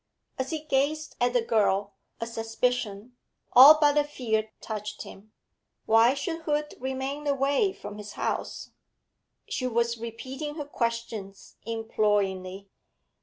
As he gazed at the girl, a suspicion, all but a fear, touched him. Why should Hood remain away from his house? She was repeating her questions imploringly.